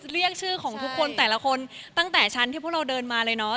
เรียกชื่อของทุกคนแต่ละคนตั้งแต่ชั้นที่พวกเราเดินมาเลยเนาะ